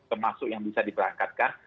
termasuk yang bisa diberangkatkan